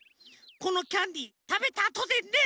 このキャンディーたべたあとでね！